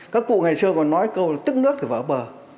các cụ ngày xưa còn nói câu là tức nước thì vào bờ